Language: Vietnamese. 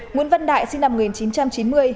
nguyễn văn đại sinh năm một nghìn chín trăm chín mươi